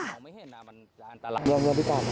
รวมพี่ต้อม